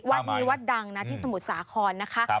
วัดนี้วัดดังนะที่สมุทรสาครนะคะ